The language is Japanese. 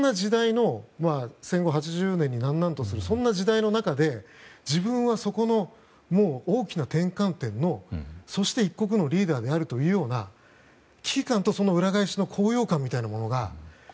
戦後８０年にならんとするそんな時代の中で自分はそこの大きな転換点のそして一国のリーダーであるというような危機感と、それの裏返しの高揚感が強い。